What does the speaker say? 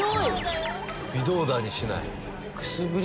微動だにしない。